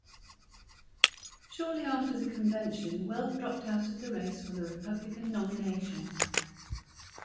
Shortly after the convention Weld dropped out of the race for the Republican nomination.